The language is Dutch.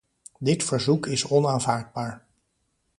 Dit verzoek is onaanvaardbaar.